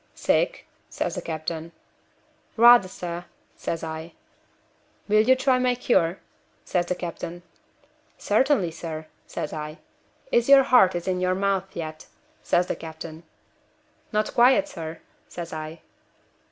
'Sick?' says the captain. 'Rather, sir,' says I. 'Will you try my cure?' says the captain. 'Certainly, sir,' says I. 'Is your heart in your mouth yet?' says the captain. 'Not quite, sir,' says I.